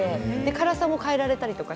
辛さも変えられます。